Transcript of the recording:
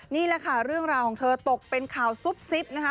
นี่แหละค่ะเรื่องราวของเธอตกเป็นข่าวซุบซิบนะคะ